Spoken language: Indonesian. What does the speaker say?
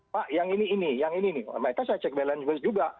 pak yang ini ini yang ini nih mereka saya cek balance juga